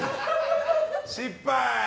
失敗！